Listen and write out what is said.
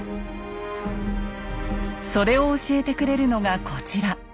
それを教えてくれるのがこちら。